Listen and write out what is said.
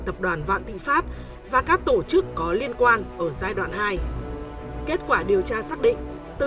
tập đoàn vạn thịnh pháp và các tổ chức có liên quan ở giai đoạn hai kết quả điều tra xác định từ